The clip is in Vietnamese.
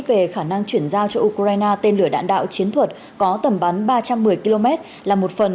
về khả năng chuyển giao cho ukraine tên lửa đạn đạo chiến thuật có tầm bắn ba trăm một mươi km là một phần